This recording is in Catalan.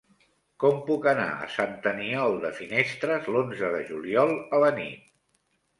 Com puc anar a Sant Aniol de Finestres l'onze de juliol a la nit?